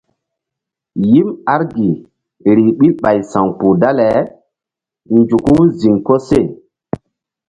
Yim argi rih ɓil ɓay sa̧wkpuh dale nzuku ziŋ koseh.